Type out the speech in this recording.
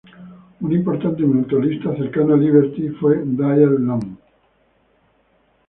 Un importante mutualista cercano a "Liberty" fue Dyer Lum.